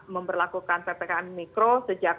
memberlakukan ppkm mikro sejak